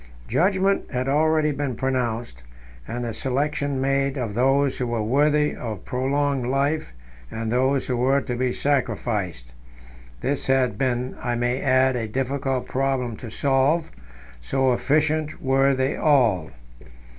Judgment had already been pronounced, and the selection made of those who were worthy of prolonged life and those who were to be sacrificed. This had been, I may add, a difficult problem to solve, so efficient were they all.